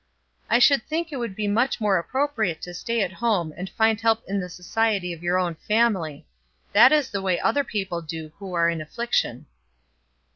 "I should think it would be much more appropriate to stay at home and find help in the society of your own family. That is the way other people do who are in affliction."